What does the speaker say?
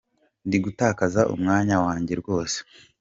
Ndigutakaza umwanya wanjye rwose